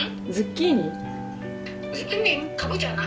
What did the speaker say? かぼちゃか？